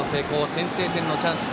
先制点のチャンス